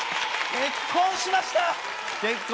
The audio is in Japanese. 結婚しました！